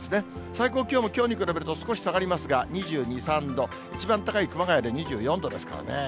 最高気温もきょうに比べると少し下がりますが、２２、３度、一番高い熊谷で２４度ですからね。